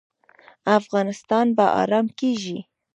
افغانستان به ارام کیږي؟